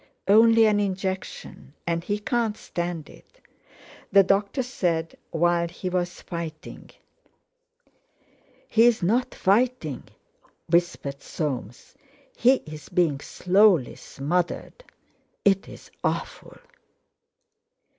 "Only an injection; and he can't stand it. The doctor said, while he was fighting...." "He's not fighting," whispered Soames, "he's being slowly smothered. It's awful."